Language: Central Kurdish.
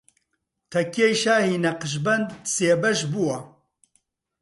تەکیەی شاهی نەقشبەند سێ بەش بووە